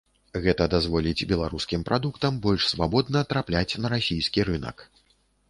Гэта дазволіць беларускім прадуктам больш свабодна трапляць на расійскі рынак.